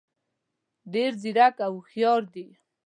ډېر ځیرک او هوښیار دي.